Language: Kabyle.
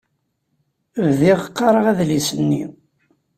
Bdiɣ qqareɣ adlis-nni.